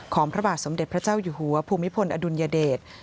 พระบาทสมเด็จพระเจ้าอยู่หัวภูมิพลอดุลยเดช